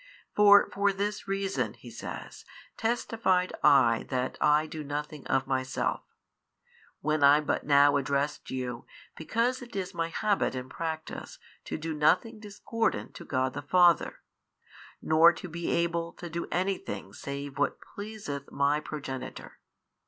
For for this reason (He says) testified I that I do nothing of Myself, when I but now addressed you, because it is My habit and practice to do nothing discordant to God the Father, nor to be able to do anything save what pleaseth My Progenitor.